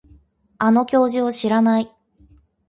あの教授を知らない